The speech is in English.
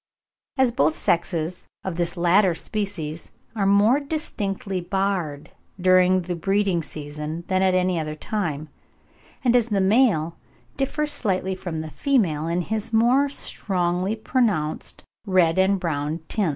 As both sexes of this latter species are more distinctly barred during the breeding season than at any other time, and as the male differs slightly from the female in his more strongly pronounced red and brown tints (10.